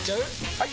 ・はい！